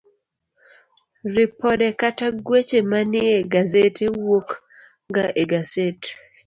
Ripode kata Gweche Manie Gasede wuok ga e gaset